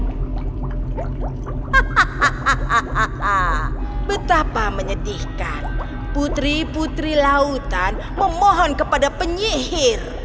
hahaha betapa menyedihkan putri putri lautan memohon kepada penyihir